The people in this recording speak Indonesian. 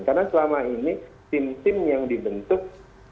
karena selama ini tim tim yang dibentuk